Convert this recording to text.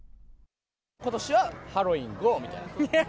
ことしはハロウィーンゴーみたいな。